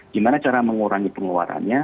gimana cara mengurangi pengeluarannya